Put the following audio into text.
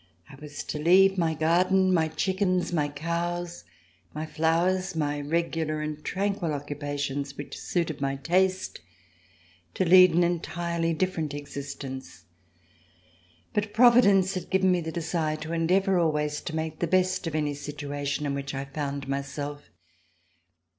I was to leave my garden, my chickens, my cows, my flowers, my regular and tranquil occupations which suited my taste, to lead an en tirely different existence. But Providence had given me the desire to endeavor always to make the best of any situation in which I found myself.